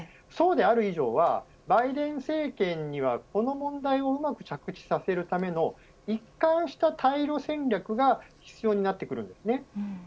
そうである以上はバイデン政権にはこの問題をうまく着地させるための一貫した対ロ戦略が必要になってきます。